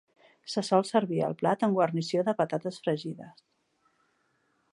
Se sol servir el plat amb guarnició de patates fregides.